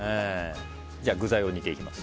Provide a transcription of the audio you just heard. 具材を煮ていきます。